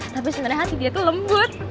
tapi sebenarnya hati dia itu lembut